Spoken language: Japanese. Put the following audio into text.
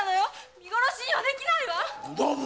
見殺しにはできないわ！